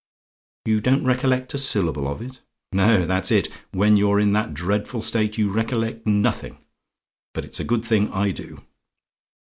"YOU DON'T RECOLLECT A SYLLABLE OF IT? "No, that's it; when you're in that dreadful state, you recollect nothing: but it's a good thing I do.